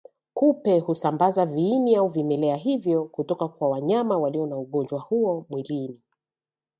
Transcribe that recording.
Kupe husambaza viini au vimelea hivyo kutoka kwa wanyama walio na ugonjwa huo mwilini